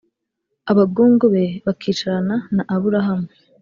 Abagungu be bakicarana na Aburahamu